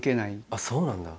あっそうなんだ！